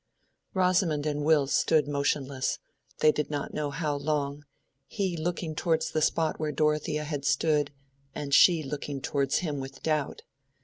Rosamond and Will stood motionless—they did not know how long—he looking towards the spot where Dorothea had stood, and she looking towards him with doubt.